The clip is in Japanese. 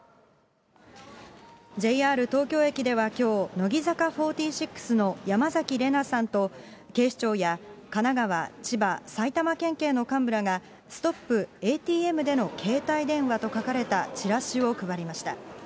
ＪＲ東京駅ではきょう、乃木坂４６の山崎怜奈さんと、警視庁や神奈川、千葉、埼玉県警の幹部らが、ストップＡＴＭでの携帯電話と書かれたチラシを配りました。